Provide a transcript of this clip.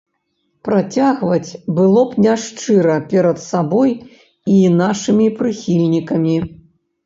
Працягваць было б няшчыра перад сабой і нашымі прыхільнікамі.